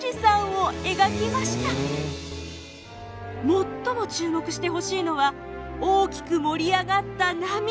最も注目してほしいのは大きく盛り上がった波。